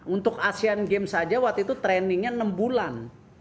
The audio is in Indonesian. untuk asean games saja waktu itu trainingnya enam bulan